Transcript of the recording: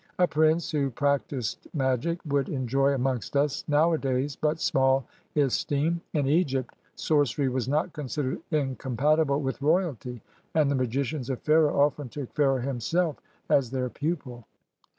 A prince who practiced magic would enjoy amongst us nowadays but small esteem: in Egypt, sorcery was not considered incompatible with royalty, and the magicians of Pharaoh often took Pharaoh him self as their pupil.